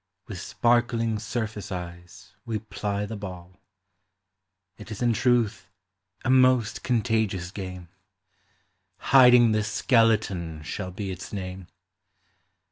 With sparkling surface eyes Ave ply the ball r It is in truth a most contagious game ; Hiding the Skeleton shall be its name.